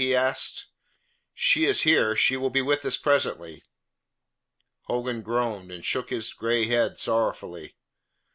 he asked. "She is here. She will be with us presently." Hogan groaned and shook his grey head sorrowfully.